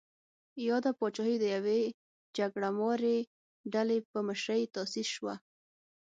یاده پاچاهي د یوې جګړه مارې ډلې په مشرۍ تاسیس شوه.